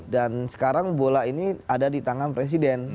dan sekarang bola ini ada di tangan presiden